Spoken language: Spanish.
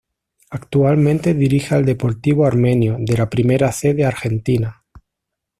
Actualmente dirige al Deportivo Armenio de la Primera C de Argentina.